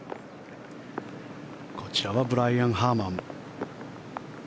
こちらはブライアン・ハーマン。